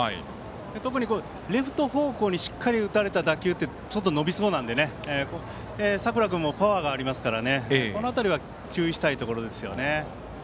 特にレフト方向にしっかり打たれた打球って伸びそうなので佐倉君もパワーがありますからこの辺りは注意したいところですよね。